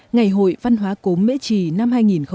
ngày hội văn hóa cốm mễ trì năm hai nghìn một mươi chín